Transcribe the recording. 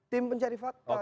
tim pencari fakta